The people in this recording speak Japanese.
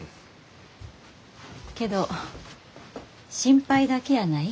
けど心配だけやない。